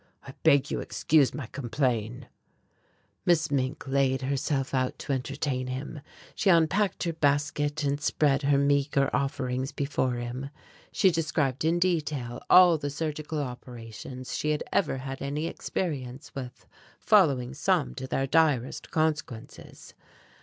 I beg you excuse my complain." Miss Mink laid herself out to entertain him. She unpacked her basket, and spread her meagre offerings before him. She described in detail all the surgical operations she had ever had any experience with, following some to their direst consequences.